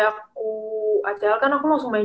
aku acara kan aku langsung main